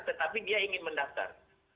tetapi dia ingin mendaftar